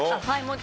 はい。